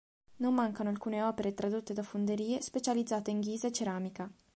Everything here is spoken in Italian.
Non mancano alcune opere tradotte da fonderie specializzate in ghisa e ceramica.